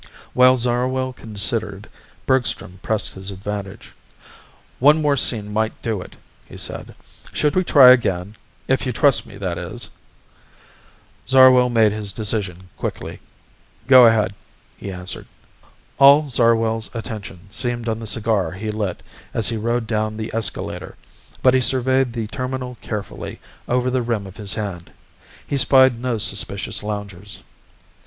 While Zarwell considered, Bergstrom pressed his advantage. "One more scene might do it," he said. "Should we try again if you trust me, that is?" Zarwell made his decision quickly. "Go ahead," he answered. All Zarwell's attention seemed on the cigar he lit as he rode down the escalator, but he surveyed the terminal carefully over the rim of his hand. He spied no suspicious loungers.